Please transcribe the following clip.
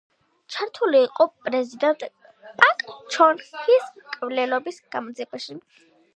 ჩართული იყო პრეზიდენტ პაკ ჩონ ჰის მკვლელობის გამოძიებაში.